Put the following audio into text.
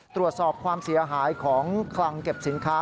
ตรวจสอบความเสียหายของคลังเก็บสินค้า